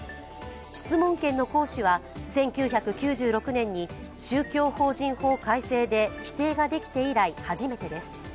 質問権の行使は、１９９６年に宗教法人法改正で規定ができて以来、初めてです。